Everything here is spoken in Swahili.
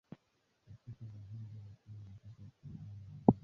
katika majimbo kumi na tisa kwa wale wanaotaka kujitetea wenyewe